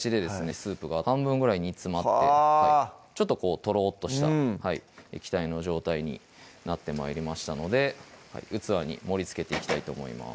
スープが半分ぐらい煮詰まってちょっととろっとした液体の状態になって参りましたので器に盛りつけていきたいと思います